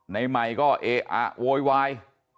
ในใหม่ก็เอะอะโวยวาย